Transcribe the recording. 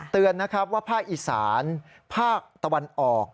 เตือนนะครับว่าภาคอีสานภาคตะวันออก